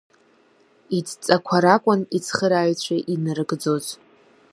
Идҵақәа ракәын ицхырааҩцәа инарыгӡоз.